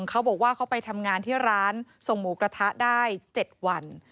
เขาบอกว่าเขาไปทำงานที่ร้านส่งหมูกระทะได้๗วัน